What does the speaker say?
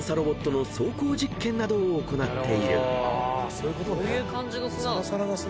「そういうことね」